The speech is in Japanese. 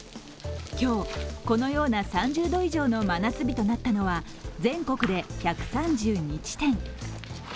今日、このような３０度以上の真夏日となったのは全国で１３２地点。